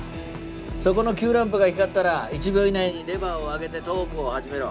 そこのキューランプが光ったら１秒以内にレバーを上げてトークを始めろ。